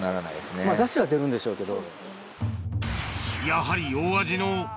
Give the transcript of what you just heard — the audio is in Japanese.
ダシは出るんでしょうけど。